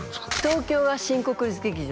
東京は新国立劇場